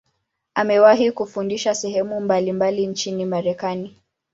Amewahi kufundisha sehemu mbalimbali nchini Marekani.